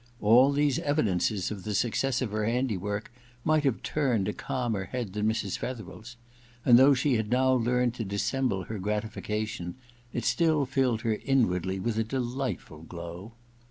All these evidences of the success of her handiwork might have turned a calmer head than Mrs. Fetherel's ; and though she had now learned to dissemble her gratification, it still filled her inwardly with a delightful glow.